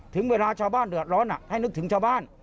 ถึงเวลาชาวบ้านเดือดร้อนให้นึกถึงชาวบ้าน